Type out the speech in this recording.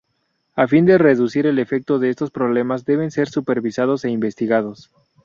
A fin de reducir el efecto de estos problemas deben ser supervisados e investigados.